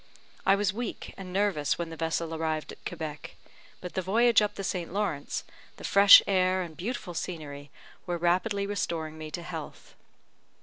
I was weak and nervous when the vessel arrived at Quebec, but the voyage up the St. Lawrence, the fresh air and beautiful scenery were rapidly restoring me to health.